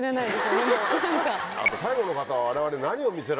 あと最後の方は我々。